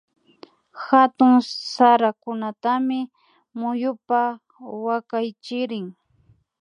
Hatun sarakunatami muyupa wakaychirin